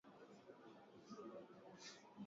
mwaka elfu moja mia tisa hamsini na nane